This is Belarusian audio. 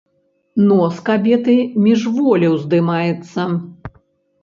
Нос кабеты міжволі ўздымаецца.